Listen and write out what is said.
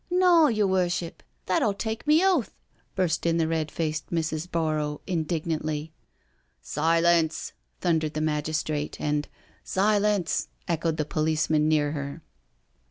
•••" Naw, yer Worship, that 1*11 take me oath/* burst in the red faced Mrs. Borrow indignantly. "Silence I" thundered the magistrate, and "Silence I" echoed the policeman near her.